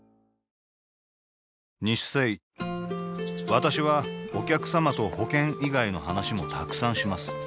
私はお客様と保険以外の話もたくさんします